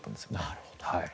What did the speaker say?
なるほど。